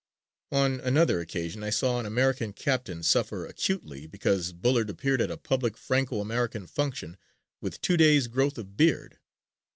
On another occasion I saw an American captain suffer acutely because Bullard appeared at a public Franco American function with two days' growth of beard.